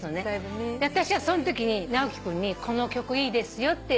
あたしはそのときに直樹君にこの曲いいですよって